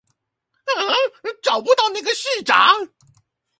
找不到那個市長